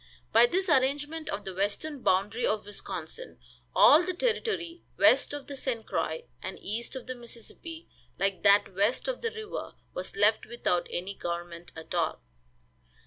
By this arrangement of the western boundary of Wisconsin all the territory west of the St. Croix and east of the Mississippi, like that west of the river, was left without any government at all.